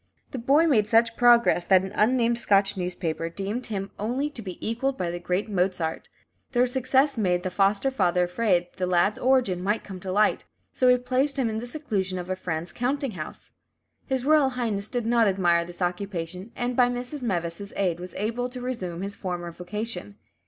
The boy made such progress that an unnamed Scotch newspaper deemed him "only to be equalled by the great Mozart." This success made the foster father afraid the lad's origin might come to light, so he placed him in the seclusion of a friend's counting house. His Royal Highness did not admire this occupation, and by Mrs. Meves' aid was enabled to resume his former vocation.